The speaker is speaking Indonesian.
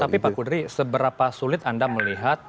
tapi pak kudri seberapa sulit anda melihat